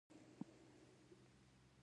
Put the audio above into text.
افغان مهاجرین په کومو هیوادونو کې دي؟